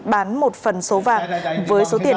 bán một phần số vàng với số tiền